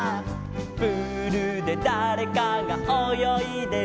「プールでだれかがおよいでる」